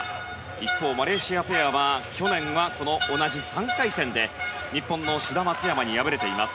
一方、マレーシアペアは去年は同じ３回戦で日本の志田、松山に敗れています。